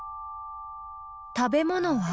食べ物は？